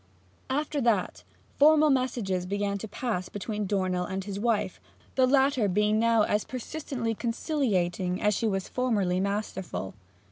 After that, formal messages began to pass between Dornell and his wife, the latter being now as persistently conciliating as she was formerly masterful.